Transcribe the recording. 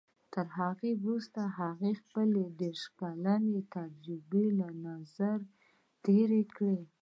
تر هغه وروسته هغه خپلې دېرش کلنې تجربې تر نظر تېرې کړې.